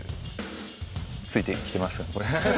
ついてきますか？